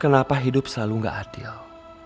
kenapa hidup selalu gak adil